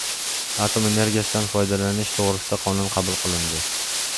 Atom energiyasidan foydalanish to‘g‘risida Qonun qabul qilindi